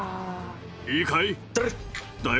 いいかい？